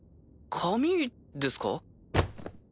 紙ですか？